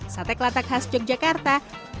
sate klatak khas yogyakarta